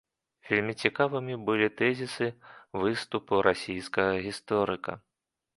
Вельмі цікавымі былі тэзісы выступу расійскага гісторыка.